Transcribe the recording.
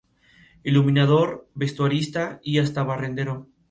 Iluminador, vestuarista, y hasta barrendero.